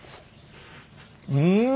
うん！